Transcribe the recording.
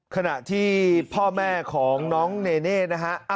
ขณะที่พ่อแม่ของน้องเนเน่นะฮะ